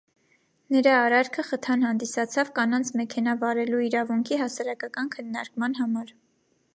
Նրա արարքը խթան հանդիսացավ կանանց մեքենա վարելու իրավունքի հասարակական քննարկման համար։